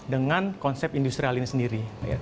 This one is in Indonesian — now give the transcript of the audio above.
dengan konsep industrial ini sendiri